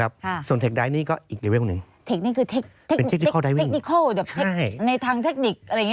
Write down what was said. ในทางเทคนิคอะไรอย่างนี้เลยใช่ไหมคะ